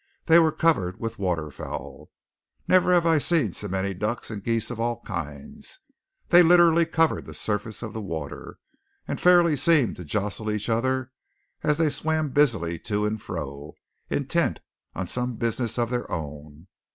They were covered with waterfowl. Never have I seen so many ducks and geese of all kinds. They literally covered the surface of the water, and fairly seemed to jostle each other as they swam busily to and fro, intent on some business of their own.